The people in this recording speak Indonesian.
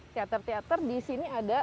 teater teater di sini ada